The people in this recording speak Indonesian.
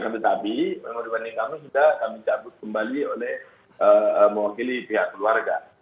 tetapi menurut banding kami sudah kami cabut kembali oleh mewakili pihak keluarga